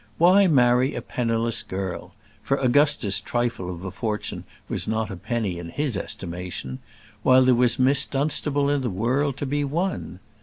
Why marry a penniless girl for Augusta's trifle of a fortune was not a penny in his estimation while there was Miss Dunstable in the world to be won?